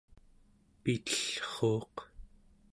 pitellruuq